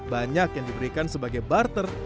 banyak yang diberikan sebagai barter